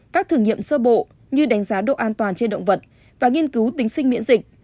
các thử nghiệm sơ bộ như đánh giá độ an toàn trên động vật và nghiên cứu tính sinh miễn dịch